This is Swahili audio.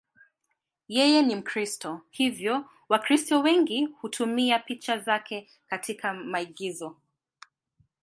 Yeye ni Mkristo, hivyo Wakristo wengi hutumia picha zake katika maigizo.